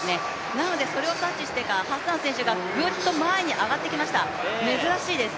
なのでそれを察知してか、ハッサン選手がぐっと前に上がってきました、珍しいです。